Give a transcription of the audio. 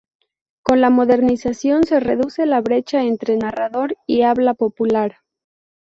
Con la modernización se reduce la brecha entre narrador y habla popular.